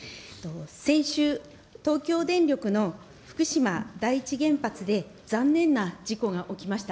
先週、東京電力の福島第一原発で、残念な事故が起きました。